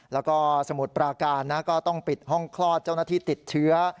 แล้วก็สมุทรปราการก็ต้องปิดห้องคลอดเจ้าหน้าที่ติดเชื้อ